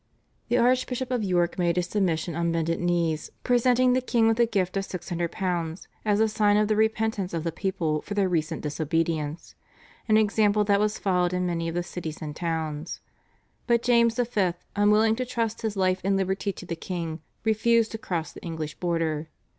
The Archbishop of York made his submission on bended knees, presenting the king with a gift of £600 as a sign of the repentance of the people for their recent disobedience, an example that was followed in many of the cities and towns; but James V., unwilling to trust his life and liberty to the king, refused to cross the English border.